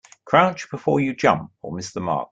Crouch before you jump or miss the mark.